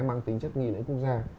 mang tính chất nghi lễ quốc gia